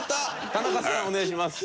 田中さんお願いします。